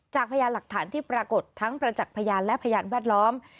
พยานหลักฐานที่ปรากฏทั้งประจักษ์พยานและพยานแวดล้อม